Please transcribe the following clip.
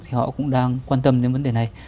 thì họ cũng đang quan tâm đến vấn đề này